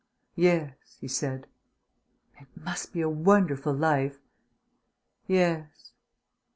"Yes," he said. "It must be a wonderful life." "Yes."